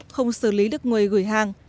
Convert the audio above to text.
không xử lý được người gửi hàng